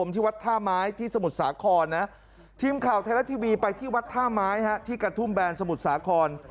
เทียมข่าวแทนรัสทีวีไปที่วัดท่าม้ายที่กระทุ่มแบรนด์สมุทรสาคร